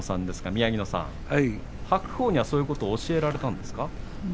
宮城野さん、白鵬にはそういうことを教えられたんですか。